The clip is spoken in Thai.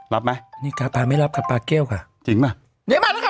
รับไหมนี่กาปาไม่รับค่ะปลาแก้วค่ะจริงป่ะได้มาแล้วค่ะ